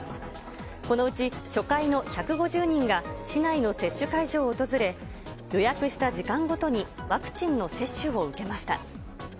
このうち初回の１５０人が市内の接種会場を訪れ、予約した時間ごとにワクチンの接種を受けました。